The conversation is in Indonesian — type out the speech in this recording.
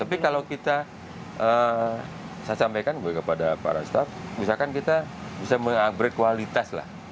tapi kalau kita saya sampaikan kepada para staff misalkan kita bisa mengupgrade kualitas lah